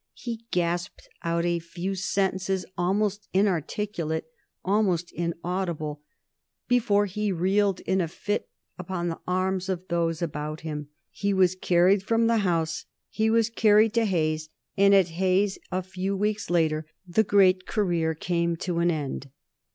He gasped out a few sentences, almost inarticulate, almost inaudible, before he reeled in a fit upon the arms of those about him. He was carried from the House; he was carried to Hayes, and at Hayes a few weeks later the great career came to an end.